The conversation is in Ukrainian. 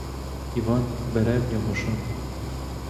Іван, бере в нього шапку.